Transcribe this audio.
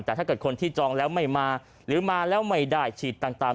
แต่ถ้าเกิดคนที่จองแล้วไม่มาหรือมาแล้วไม่ได้ฉีดต่าง